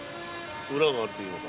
ウラがあるというのか？